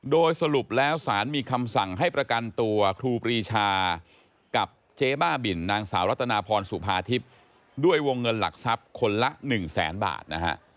โดยสรุปแล้วสารมีคำสั่งให้ประกันตัวครูปรีชากับเจ๊บ้าบินนางสาวรัตนาพรสุภาทิพย์ด้วยวงเงินหลักทรัพย์คนละ๑แสนบาทนะฮะ